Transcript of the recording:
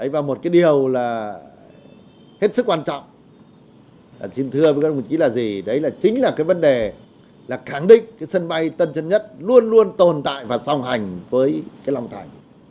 và một cái điều là hết sức quan trọng là chính là cái vấn đề là khẳng định sân bay tân sơn nhất luôn luôn tồn tại và song hành với long thành